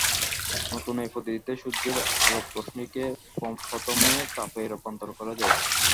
নতুন এ পদ্ধতিতে সূর্যের আলোক রশ্মিকে প্রথমে তাপে রূপান্তর করা হয়।